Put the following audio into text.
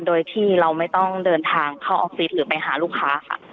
โดยที่เราไม่ต้องเดินทางเข้าออฟฟิศหรือไปหาลูกค้าค่ะ